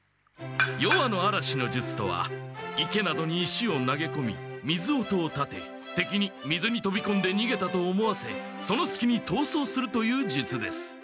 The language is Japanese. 夜半の嵐の術とは池などに石を投げこみ水音を立ててきに水にとびこんでにげたと思わせそのすきにとうそうするという術です。